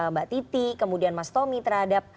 mbak titi kemudian mas tommy terhadap